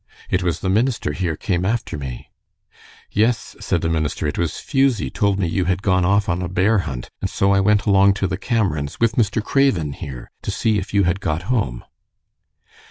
"It was the minister here came after me." "Yes," said the minister, "it was Fusie told me you had gone off on a bear hunt, and so I went along to the Cameron's with Mr. Craven here, to see if you had got home."